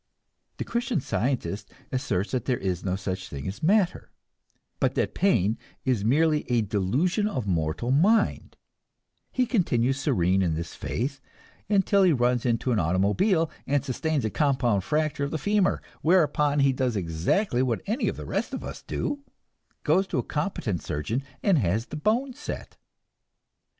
The Christian Scientist asserts that there is no such thing as matter, but that pain is merely a delusion of mortal mind; he continues serene in this faith until he runs into an automobile and sustains a compound fracture of the femur whereupon he does exactly what any of the rest of us do, goes to a competent surgeon and has the bone set.